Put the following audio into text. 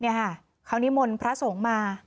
นี่ค่ะเขานิมนต์พระสงฆ์มา